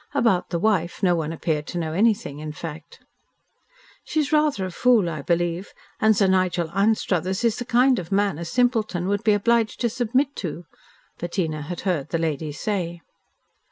About the wife no one appeared to know anything, in fact. "She is rather a fool, I believe, and Sir Nigel Anstruthers is the kind of man a simpleton would be obliged to submit to," Bettina had heard the lady say.